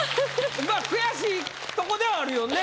悔しいとこではあるよね